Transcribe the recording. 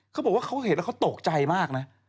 เขาบอกว่าเขาเห็นแล้วเขาตกใจมากนะ